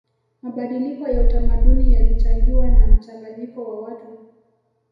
mabadiliko ya utamaduni yalichangiwa na mchanganyiko wa watu